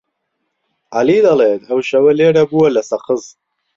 عەلی دەڵێت ئەو شەوە لێرە بووە لە سەقز.